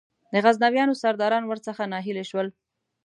د غزنویانو سرداران ور څخه ناهیلي شول.